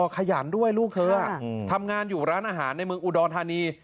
ขยันด้วยลูกเธอทำงานอยู่ร้านอาหารในเมืองอุดรธานี